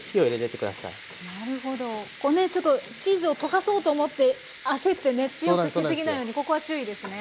なるほどこうねちょっとチーズを溶かそうと思って焦ってね強くしすぎないようにここは注意ですね。